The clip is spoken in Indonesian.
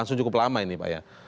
sudah cukup lama ini pak ya